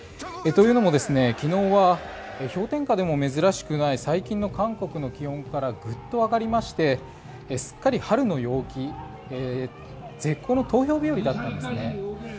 というのも昨日は氷点下でも珍しくない最近の韓国の気温からグッと上がりましてすっかり春の陽気絶好の投票日和りだったんですね。